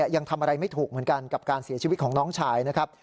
ยังทำอะไรไม่ถูกเหมือนกันกับการเสียชีวิตของน้องชายนะครับ